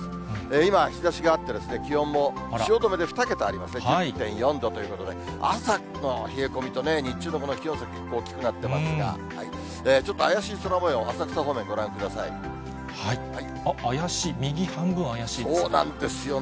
今は日ざしがあって、気温も汐留で２桁ありますね、１０．４度ということで、朝の冷え込みと日中の気温差、結構大きくなってますが、ちょっと怪しい空もよう、浅草方面、怪しい、右半分怪しいですね。